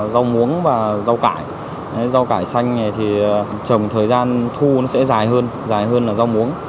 rau muống và rau cải rau cải xanh này thì trồng thời gian thu sẽ dài hơn dài hơn là rau muống